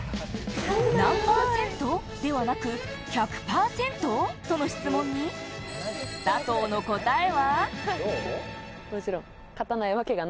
何％？ではなく、１００％との質問に佐藤の答えは。